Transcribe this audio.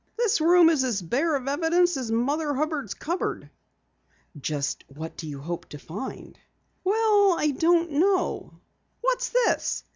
"This room is as bare of evidence as Mother Hubbard's cupboard." "Just what do you hope to find?" "Well, I don't know. What's this?"